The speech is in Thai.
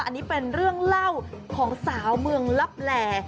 อันนี้เป็นเรื่องเล่าของสาวเมืองลับแหล่